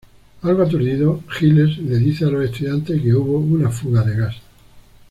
Algo aturdido, Giles le dice a los estudiantes que hubo una fuga de gas.